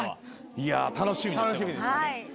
いやー、楽しみです。